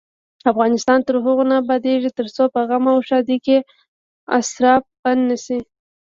افغانستان تر هغو نه ابادیږي، ترڅو په غم او ښادۍ کې اسراف بند نشي.